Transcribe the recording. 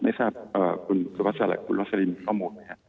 ไม่ทราบคุณรับวัสลินข้อมูลไหมครับ